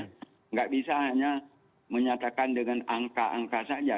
tidak bisa hanya menyatakan dengan angka angka saja